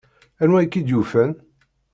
Anwa i k-id-yufan?